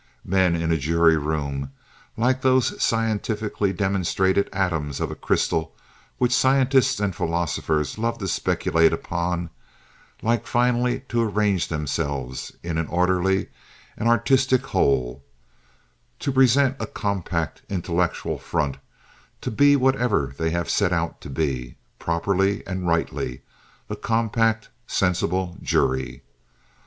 Men in a jury room, like those scientifically demonstrated atoms of a crystal which scientists and philosophers love to speculate upon, like finally to arrange themselves into an orderly and artistic whole, to present a compact, intellectual front, to be whatever they have set out to be, properly and rightly—a compact, sensible jury.